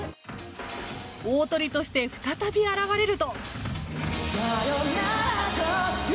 大トリとして再び現れると。